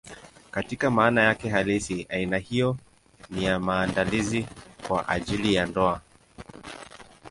Katika maana yake halisi, aina hiyo ni ya maandalizi kwa ajili ya ndoa.